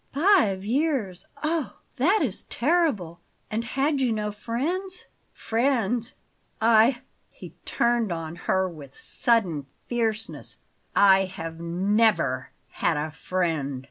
"Five years! Oh, that is terrible! And had you no friends?" "Friends! I" he turned on her with sudden fierceness "I have NEVER had a friend!"